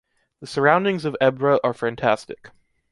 The surroundings of Ebre are fantastic!